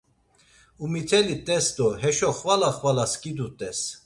Umiteli t̆es do heşo xvala xvala skidut̆es.